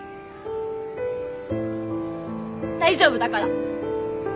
大丈夫だから。